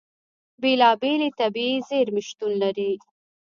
بېلابېلې طبیعي زیرمې شتون لري.